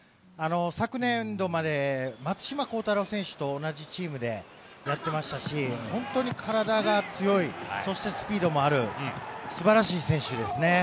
昨年度まで松島幸太朗選手と同じチームでやってましたし、本当に体が強い、そしてスピードもある、すばらしい選手ですね。